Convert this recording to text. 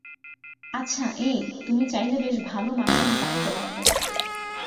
আচ্ছা, এই, তুমি চাইলে বেশ ভালো মাশরুম কাটতে পারবে।